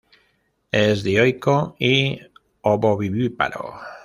Es dioico y ovovivíparo.